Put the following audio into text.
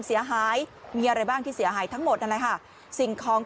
เสียหายมีอะไรบ้างที่เสียหายทั้งหมดนั่นแหละค่ะสิ่งของ